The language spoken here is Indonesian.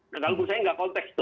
ketentu saya nggak konteks itu